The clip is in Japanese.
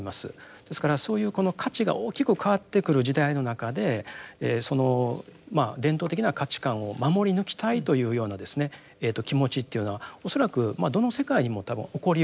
ですからそういうこの価値が大きく変わってくる時代の中でその伝統的な価値観を守り抜きたいというような気持ちというのは恐らくどの世界にも多分起こりうるということですよね。